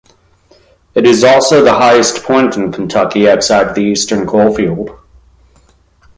It is also the highest point in Kentucky outside the Eastern Coalfield.